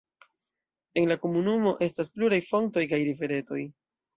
En la komunumo estas pluraj fontoj kaj riveretoj.